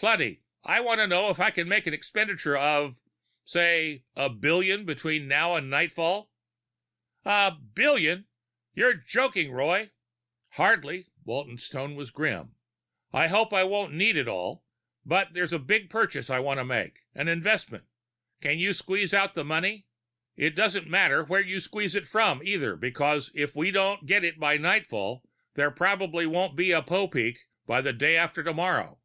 "Plenty. I want to know if I can make an expenditure of say, a billion, between now and nightfall." "A billion? You joking, Roy?" "Hardly." Walton's tone was grim. "I hope I won't need it all. But there's a big purchase I want to make ... an investment. Can you squeeze out the money? It doesn't matter where you squeeze it from, either, because if we don't get it by nightfall there probably won't be a Popeek by the day after tomorrow."